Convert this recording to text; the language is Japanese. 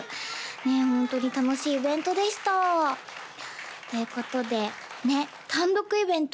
ホントに楽しいイベントでしたということでねっ単独イベント